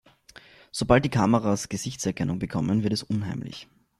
Sobald die Kameras Gesichtserkennung bekommen, wird es unheimlich.